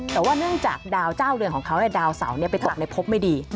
แต่ว่าเนื่องจากดาวเจ้าเรือนของเขาดาวเสาไปตกในพบไม่ดี